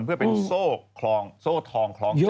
เพื่อเป็นโซ่ทองคลองใจ